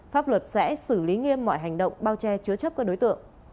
pháp luật sẽ xử lý nghiêm mọi hành động bao che chứa chấp các đối tượng